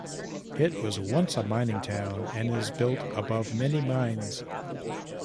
It was once a mining town and is built above many mines.